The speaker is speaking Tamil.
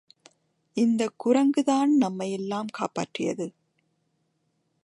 இந்தக் குரங்கு தான் நம்மையெல்லாம் காப்பாற்றியது.